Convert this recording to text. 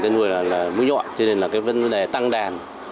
nhân dân người là mũi nhọn cho nên là vấn đề tăng đàn